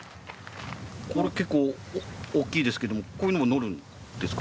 これ結構大きいですけどもこういうのも乗るんですか？